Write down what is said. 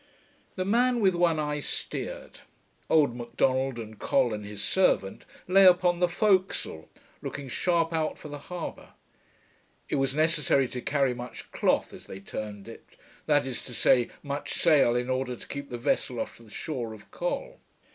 The man with one eye steered; old M'Donald, and Col and his servant, lay upon the fore castle, looking sharp out for the harbour. It was necessary to carry much 'cloth', as they termed it, that is to say, much sail, in order to keep the vessel off the shore of Col.